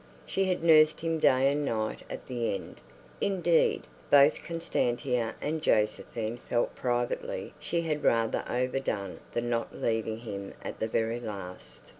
She had nursed him day and night at the end. Indeed, both Constantia and Josephine felt privately she had rather overdone the not leaving him at the very last.